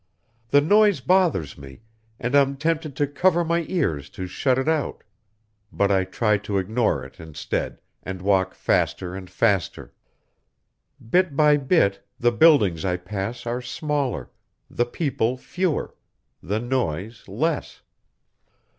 The noise bothers me and I'm tempted to cover my ears to shut it out, but I try to ignore it, instead, and walk faster and faster. Bit by bit, the buildings I pass are smaller, the people fewer, the noise less.